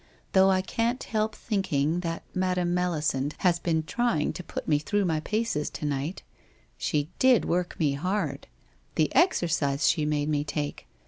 Though I can't help thinking that Madam Melisande has been trying to put me through my paces to night. She did work me hard. The exercise she made me take!